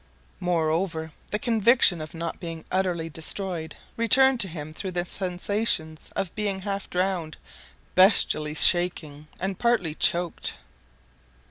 Moreover, the conviction of not being utterly destroyed returned to him through the sensations of being half drowned, bestially shaken, and partly choked.